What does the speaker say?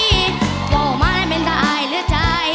ยอมมาให้เป็นตาอายเลือดใจ